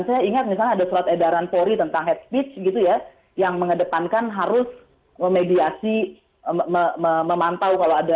saya ingat misalnya ada surat edaran polri tentang head speech gitu ya yang mengedepankan harus memediasi memantau kalau ada